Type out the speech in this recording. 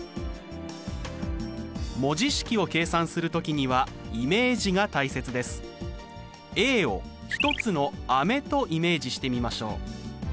文字式を計算する時にはイメージが大切です。を１つの飴とイメージしてみましょう。